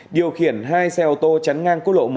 điều khiển hai xe ô tô chắn ngang quốc lộ một